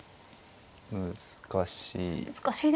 難しい。